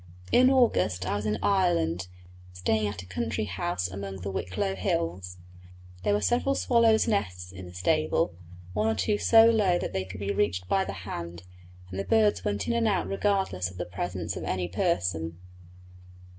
In August I was in Ireland, staying at a country house among the Wicklow hills. There were several swallows' nests in the stable, one or two so low that they could be reached by the hand, and the birds went in and out regardless of the presence of any person.